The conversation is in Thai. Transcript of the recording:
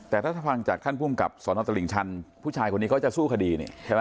แต่ถ้าฟังจากท่านภูมิกับสนตลิ่งชันผู้ชายคนนี้เขาจะสู้คดีนี่ใช่ไหม